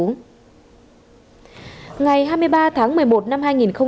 ngày hai mươi ba tháng một mươi một năm hai nghìn một mươi ba